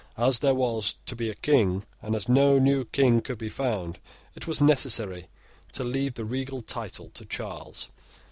As there was to be a King, and as no new King could be found, it was necessary to leave the regal title to Charles.